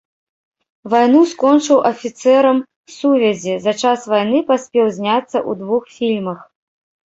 Вайну скончыў афіцэрам сувязі, за час вайны паспеў зняцца ў двух фільмах.